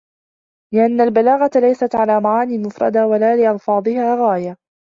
لِأَنَّ الْبَلَاغَةَ لَيْسَتْ عَلَى مَعَانٍ مُفْرَدَةٍ وَلَا لِأَلْفَاظِهَا غَايَةٌ